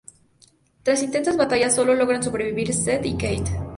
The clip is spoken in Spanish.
Tras intensas batallas sólo logran sobrevivir Seth y Kate.